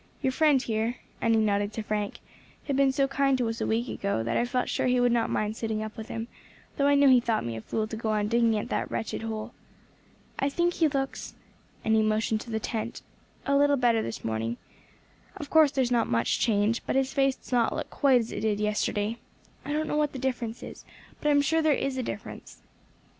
Your friend here," and he nodded to Frank, "had been so kind to us a week ago, that I felt sure he would not mind sitting up with him, though I know he thought me a fool to go on digging at that wretched hole. I think he looks " and he motioned to the tent "a little better this morning. Of course there's not much change; but his face does not look quite as it did yesterday. I don't know what the difference is, but I am sure there is a difference."